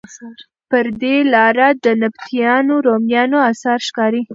پر دې لاره د نبطیانو، رومیانو اثار ښکاري.